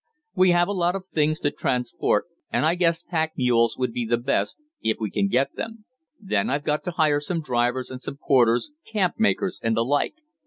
"We have a lot of things to transport, and I guess pack mules would be the best, if we can get them. Then I've got to hire some drivers and some porters, camp makers and the like.